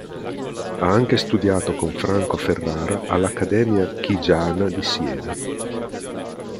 Ha anche studiato con Franco Ferrara all'Accademia Chigiana di Siena.